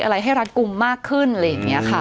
อะไรสันยากลุ่มมากขึ้นเลยเนี้ยค่ะ